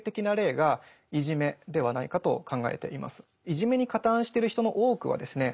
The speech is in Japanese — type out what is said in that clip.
いじめに加担してる人の多くはですね